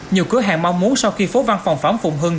nhiều cửa hàng mong muốn sau khi phố văn phòng phẩm phụng hưng